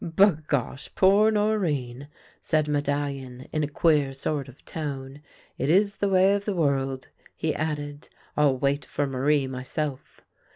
" Bagosh ! poor Norinne," said Medallion, in a queer sort of tone. " It is the way of the world," he added. " I'll wait for ]SIarie myself."